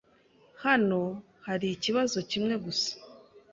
Hano hari ikibazo kimwe gusa.